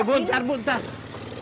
ya buntar buntar